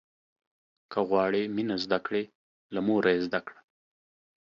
که غواړې مينه زده کړې، له موره يې زده کړه.